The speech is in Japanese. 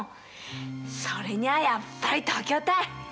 それにはやっぱり東京たい！